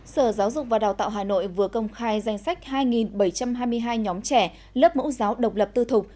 sở giáo dục và đào tạo hà nội vừa công khai danh sách hai bảy trăm hai mươi hai nhóm trẻ lớp mẫu giáo độc lập tư thục